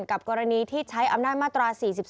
กรณีที่ใช้อำนาจมาตรา๔๔